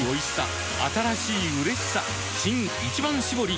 新「一番搾り」